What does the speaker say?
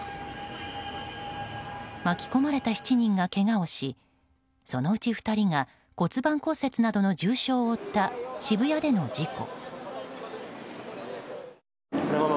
巻き込まれた７人がけがをしそのうち２人が骨盤骨折などの重傷を負った渋谷での事故。